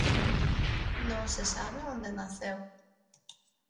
Non se sabe onde naceu.